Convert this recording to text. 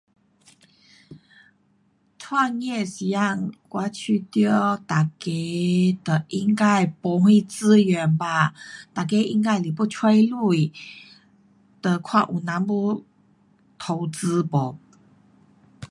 创业时间我觉得每个都应该没什资源吧。每个应该得去找钱跟看有人要投资没。